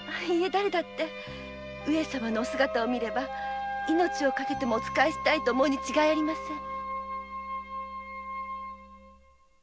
だれだって上様のお姿を見れば命を賭けてもお仕えしたいと思うに違いありません。